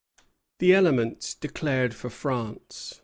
The elements declared for France.